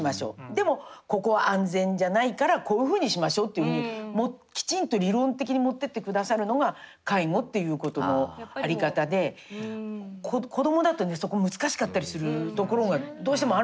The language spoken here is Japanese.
でもここは安全じゃないからこういうふうにしましょう」っていうふうにもうきちんと理論的に持ってってくださるのが介護っていうことの在り方で子どもだとねそこ難しかったりするところがどうしてもあるんですね。